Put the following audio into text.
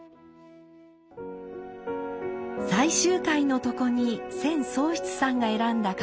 最終回の床に千宗室さんが選んだ掛